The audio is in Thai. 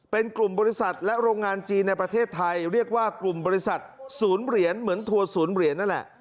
เป็นกลุ่มบริษัทและโรงงานจีนในประเทศไทยเรียกว่ากลุ่มบริษัทศูนย์เหรียญเหมือนทัวร์ศูนย์เหรียญนั่นแหละ